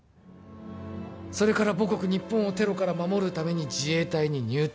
それから母国・日本をテロから守るために自衛隊に入隊。